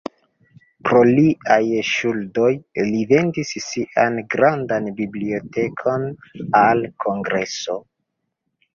Pro liaj ŝuldoj, li vendis sian grandan bibliotekon al Kongreso.